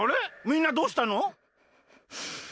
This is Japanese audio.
みんなどうしたの？